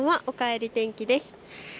おかえり天気です。